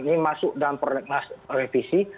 ini masuk dalam prolegnas revisi